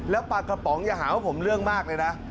แล้วปลากระป๋องอย่าหาว่าผมเรื่องมากเลยนะ